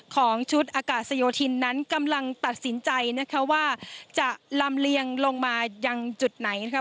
ของชุดอากาศโยธินนั้นกำลังตัดสินใจนะคะว่าจะลำเลียงลงมายังจุดไหนนะครับ